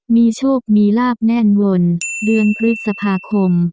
มีโชคมีลาบแน่นวนเดือนพฤษภาคม